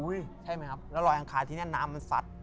แล้วลอยอังคารนี้นะน้ำมันสัด